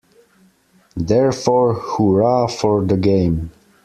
Therefore, hurrah for the game.